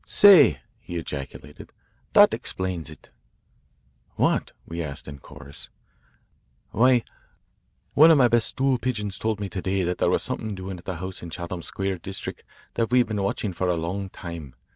"Say," he ejaculated, "that explains it!" "What?" we asked in chorus. "Why, one of my best stool pigeons told me to day that there was something doing at a house in the Chatham Square district that we have been watching for a long time.